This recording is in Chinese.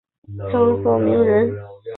张鹤鸣人。